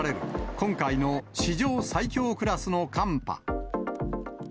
今回の史上最強クラスの寒波。